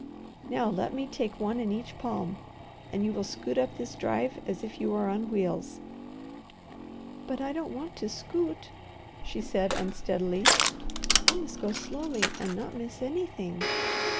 Now let me take one in each palm, and you will scoot up this drive as if you were on wheels." "But I don't want to 'scoot'," she said unsteadily. "I must go slowly and not miss anything."